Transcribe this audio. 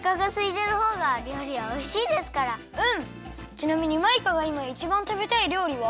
ちなみにマイカがいまいちばんたべたいりょうりは？